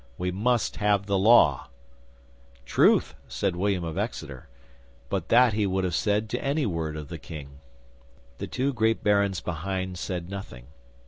We must have the Law." '"Truth," said William of Exeter; but that he would have said to any word of the King. 'The two great barons behind said nothing.